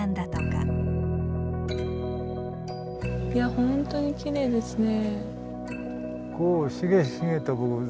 いや本当にきれいですね。